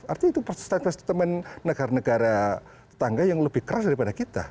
artinya itu statement statement negara negara tetangga yang lebih keras daripada kita